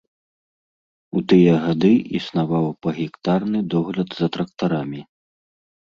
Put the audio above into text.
У тыя гады існаваў пагектарны догляд за трактарамі.